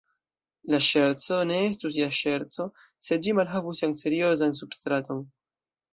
La ŝerco ne estus ja ŝerco, se ĝi malhavus sian seriozan substraton.